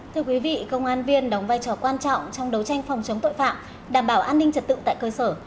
thưa quý vị công an viên đóng vai trò quan trọng trong đấu tranh phòng chống tội phạm đảm bảo an ninh trật tự tại cơ sở